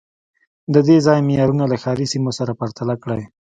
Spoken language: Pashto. د دې ځای معیارونه له ښاري سیمو سره پرتله کړئ